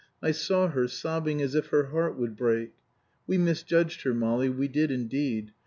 I saw her sobbing as if her heart would break. We misjudged her, Molly, we did indeed.